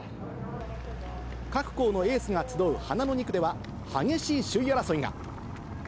各校のエースが集う花の２区では激しい首位争いが。